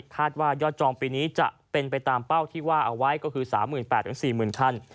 คาดว่ายอดจองปีนี้จะเป็นไปตามเป้าที่ว่าเอาไว้ก็คือ๓๘๐๐๔๐๐๐คัน